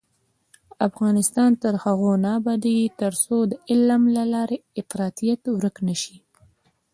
افغانستان تر هغو نه ابادیږي، ترڅو د علم له لارې افراطیت ورک نشي.